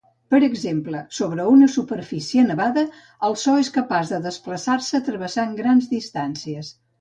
Per exemple, sobre una superfície nevada, el so és capaç de desplaçar-se travessant grans distàncies.